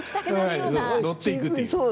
はい乗っていくという。